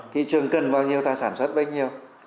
thị trường cần bao nhiêu ta sản xuất bao nhiêu